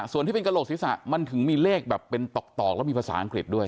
ส่วนที่เป็นกระโหลกศีรษะมันถึงมีเลขแบบเป็นตอกแล้วมีภาษาอังกฤษด้วย